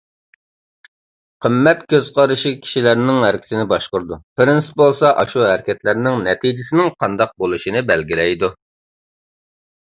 قىممەت كۆز قارىشى كىشىلەرنىڭ ھەرىكىتىنى باشقۇرىدۇ. پىرىنسىپ بولسا ئاشۇ ھەرىكەتلەرنىڭ نەتىجىسىنىڭ قانداق بولۇشىنى بەلگىلەيدۇ.